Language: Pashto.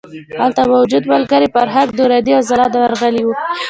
هلته موجود ملګري فرهنګ، نوراني او ځلاند ورغلي وو.